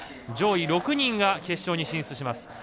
上位６人が決勝に進出します。